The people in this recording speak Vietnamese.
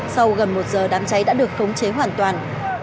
sau gần một giờ đám cháy đã được khống chế hoàn toàn